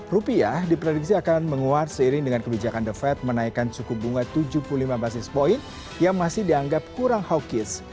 rupiah diprediksi akan menguat seiring dengan kebijakan the fed menaikkan suku bunga tujuh puluh lima basis point yang masih dianggap kurang hawkis